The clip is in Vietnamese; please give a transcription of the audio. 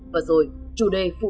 và rồi chủ đề phụ nữ